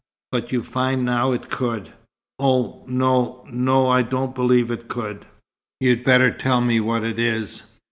"But you find now it could?" "Oh, no no, I don't believe it could." "You'd better tell me what it is."